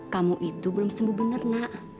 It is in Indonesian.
kamu itu belum sembuh benar nak